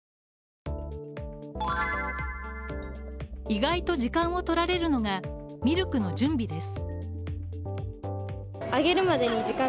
意外と時間を取られるのが、ミルクの準備です